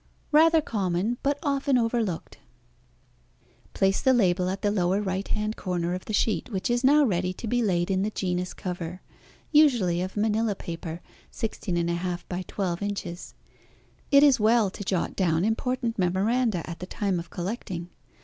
Rather common but often overlooked Place the label at the lower right hand corner of the sheet, which is now ready to be laid in the genus cover, usually of manila paper 16 1/2 by 12 inches. It is well to jot down important memoranda at the time of collecting.